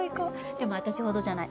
でも私ほどじゃない。